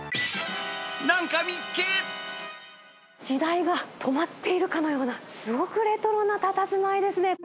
時代が止まっているかのような、すごくレトロなたたずまいですね。